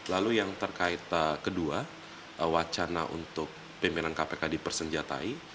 lalu yang terkait kedua wacana untuk pimpinan kpk dipersenjatai